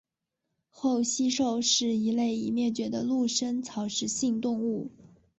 厚膝兽是一类已灭绝的陆生草食性动物。